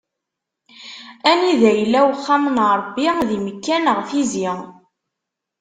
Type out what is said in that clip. Anida yella uxxam n Ṛebbi, di Mekka neɣ Tizi?